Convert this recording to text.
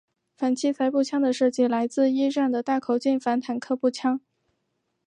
反器材步枪的设计来自一战的大口径反坦克步枪。